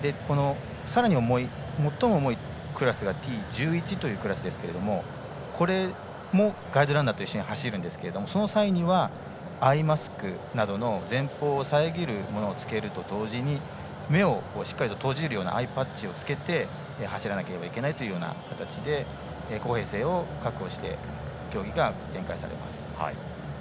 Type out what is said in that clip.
最も重いクラスがＴ１１というクラスですがこれもガイドランナーと一緒に走るんですがその際には、アイマスクなどの前方を遮るものを着けると同時に目をしっかり閉じるようなアイパッチをつけて走らなければいけないという形で公平性を確保して競技が展開されます。